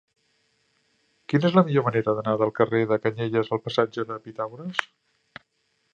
Quina és la millor manera d'anar del carrer de Canyelles al passatge de Pitàgores?